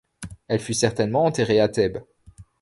Elle fut certainement enterrée à Thèbes.